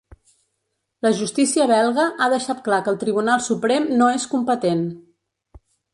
La justícia belga ha deixat clar que el Tribunal Suprem no és competent.